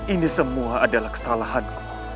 ini semua adalah kesalahanku